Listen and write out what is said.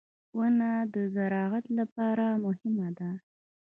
• ونه د زراعت لپاره مهمه ده.